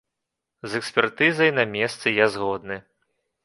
З экспертызай на месцы я згодны.